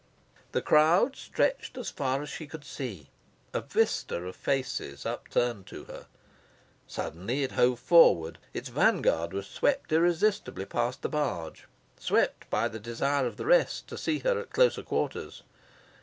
The crowd stretched as far as she could see a vista of faces upturned to her. Suddenly it hove forward. Its vanguard was swept irresistibly past the barge swept by the desire of the rest to see her at closer quarters.